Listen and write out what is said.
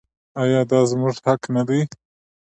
آیا دا زموږ حق نه دی؟